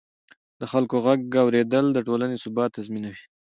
د خلکو غږ اورېدل د ټولنې ثبات تضمینوي